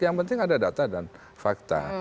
yang penting ada data dan fakta